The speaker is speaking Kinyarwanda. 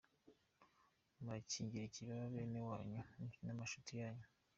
Murakingira ikibaba bene wanyu n,amacuti yanyu.